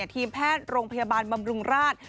ทีมแพทย์โรงพยาบาลบำรุงราช